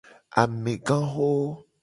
Amegaxo.